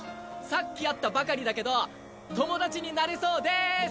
さっき会ったばかりだけど友達になれそうです！